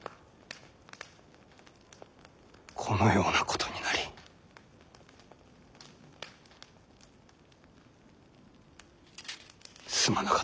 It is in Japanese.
このようなことになりすまなかった。